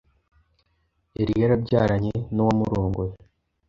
yari yarabyaranye n’uwamurongoye.